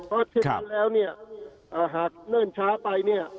เพราะฉะนั้นแล้วเนี่ยหากเนิ่นช้าไปเนี่ย